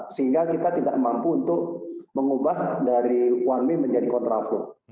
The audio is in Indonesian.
sehingga kita tidak mampu untuk mengubah dari one way menjadi kontraflow